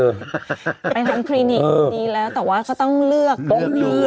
ไปทำคินิกดีแล้วแต่ว่าเขาต้องเลือก